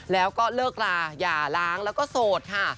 แล้วก็เลิกลาอย่าล้างแล้วก็โสดค่ะ